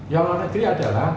yang dalam negeri adalah